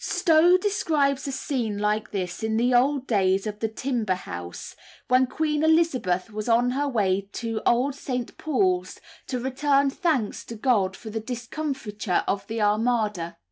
Stow describes a scene like this in the old days of the "timber house," when Queen Elizabeth was on her way to old St. Paul's to return thanks to God for the discomfiture of the Armada.